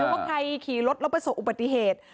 ว่าใครขี่รถแล้วประสบอุบัติเหตุ